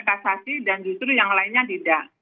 kasasi dan justru yang lainnya tidak